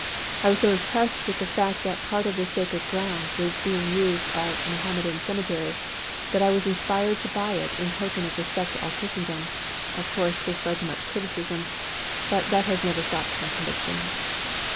I was so impressed with the fact that part of this sacred ground was being used as a Mohammedan cemetery that I was inspired to buy it in token of respect to all Christendom. Of course this led to much criticism, but that has never stopped my convictions.